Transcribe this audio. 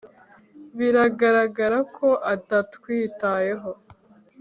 Biragaragara ko atatwitayeho